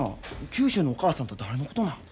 九州のお母さんて誰のことなん？